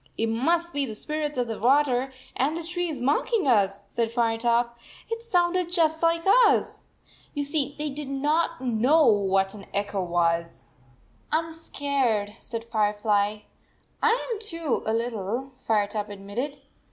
"It must be the spirits of the \vater and the trees, mocking us," said Firetop. "It sounded just like us." You see, they did not know what an echo was, "I m scared," said Firefly. "I am too, a little," Firetop admitted.